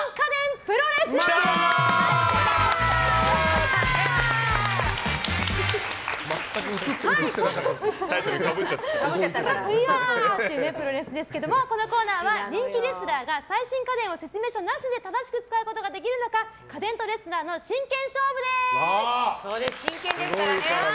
プロレスですがこのコーナーは人気レスラーが最新家電を説明書なしで正しく使うことができるのか家電とレスラーの真剣勝負です。